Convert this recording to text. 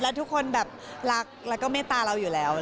แล้วทุกคนแบบรักแล้วก็เมตตาเราอยู่แล้ว